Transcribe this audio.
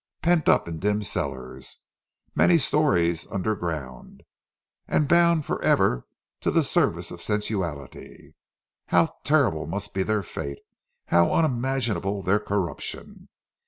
Pent up in dim cellars, many stories under ground, and bound for ever to the service of sensuality—how terrible must be their fate, how unimaginable their corruption!